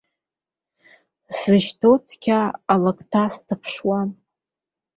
Сзышьҭоу цқьа алакҭа сҭаԥшуам.